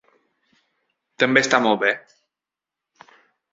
També està molt bé.